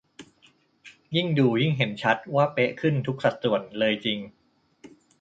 ยิ่งดูยิ่งเห็นชัดว่าเป๊ะขึ้นทุกสัดส่วนเลยจริง